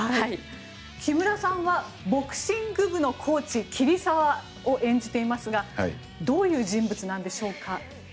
木村さんはボクシング部のコーチ桐沢を演じていますがどういう人物なんでしょうか？